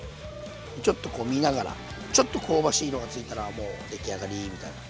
ちょっとこう見ながらちょっと香ばしい色が付いたらもう出来上がりみたいな。